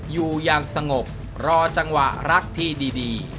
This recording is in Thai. อยู่อย่างสงบรอจังหวะรักที่ดี